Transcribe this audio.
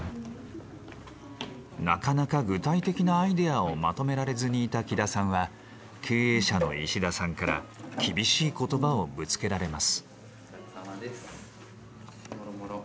なかなか具体的なアイデアをまとめられずにいた喜田さんは経営者の石田さんから厳しい言葉をぶつけられます。